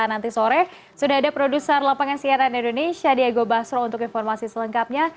nanti sore sudah ada produser lapangan siaran indonesia diego basro untuk informasi selengkapnya